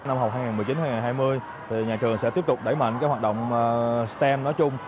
năm học hai nghìn một mươi chín hai nghìn hai mươi nhà trường sẽ tiếp tục đẩy mạnh cái hoạt động stem nói chung